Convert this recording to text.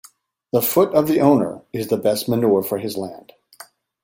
The foot of the owner is the best manure for his land.